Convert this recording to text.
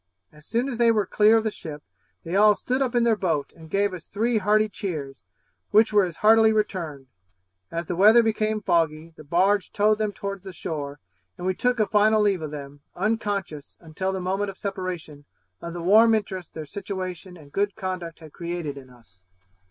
As soon as they were clear of the ship, they all stood up in their boat, and gave us three hearty cheers, which were as heartily returned. As the weather became foggy, the barge towed them towards the shore, and we took a final leave of them, unconscious, until the moment of separation, of the warm interest their situation and good conduct had created in us.'